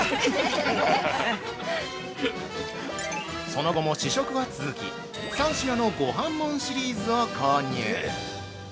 ◆その後も試食は続き、３品のごはんもんシリーズを購入。